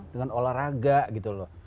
dengan olahraga gitu loh